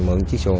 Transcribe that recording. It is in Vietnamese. mượn chiếc xuồng